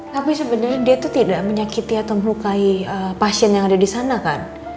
tapi sebenarnya dia itu tidak menyakiti atau melukai pasien yang ada di sana kan